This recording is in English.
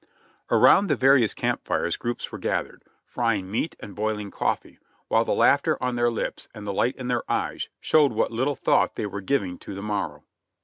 Around the various camp fires groups w^ere gathered, frying BULL, RUN 51 meat and boiling coffee, while the laughter on their lips and the light in their eyes showed what little thought they were giving to the morrow.